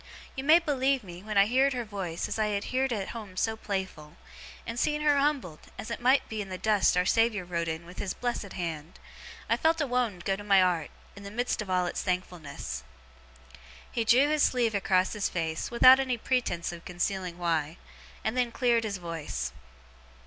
You may believe me, when I heerd her voice, as I had heerd at home so playful and see her humbled, as it might be in the dust our Saviour wrote in with his blessed hand I felt a wownd go to my 'art, in the midst of all its thankfulness.' He drew his sleeve across his face, without any pretence of concealing why; and then cleared his voice.